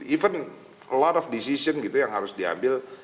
even a lot of decision gitu yang harus diambil